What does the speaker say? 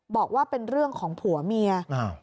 บอกว่าเป็นเรื่องของผัวเมีย